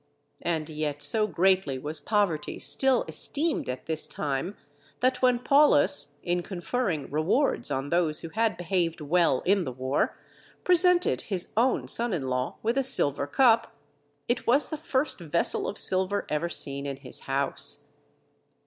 And yet so greatly was poverty still esteemed at this time, that when Paulus, in conferring rewards on those who had behaved well in the war, presented his own son in law with a silver cup, it was the first vessel of silver ever seen in his house.